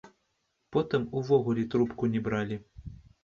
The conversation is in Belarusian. Потым увогуле трубку не бралі.